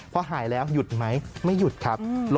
พอหายแล้วหยุดไหมไม่หยุดครับ